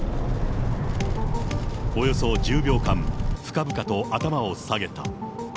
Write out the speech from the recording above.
およそ１０秒間、深々と頭を下げた。